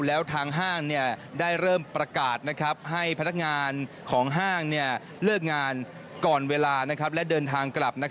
แล้วทางห้างได้เริ่มประกาศให้พนักงานของห้างเลิกงานก่อนเวลาและเดินทางกลับ